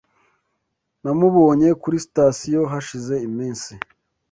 Namubonye kuri sitasiyo hashize iminsi.